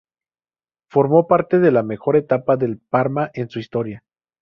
Formó parte de la mejor etapa del Parma en su historia.